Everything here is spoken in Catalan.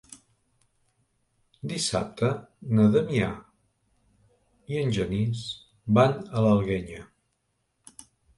Dissabte na Damià i en Genís van a l'Alguenya.